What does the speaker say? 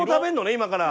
今から。